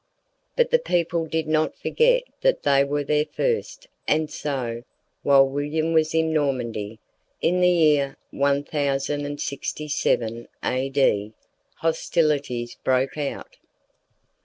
But the people did not forget that they were there first, and so, while William was in Normandy, in the year 1067 A.D., hostilities broke out.